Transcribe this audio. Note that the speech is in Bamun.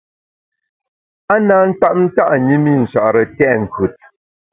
A na tap nta’ ṅi mi Nchare tèt nkùt.